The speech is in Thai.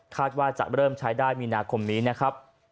ว่าจะเริ่มใช้ได้มีนาคมนี้นะครับ